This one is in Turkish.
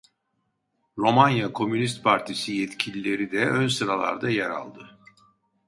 Romanya Komünist Partisi yetkilileri de ön sıralarda yer aldı.